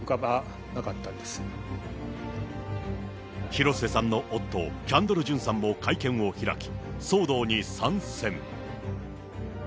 広末さんの夫、キャンドル・ジュンさんも会見を開き、騒動に参戦。